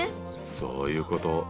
そういうこと。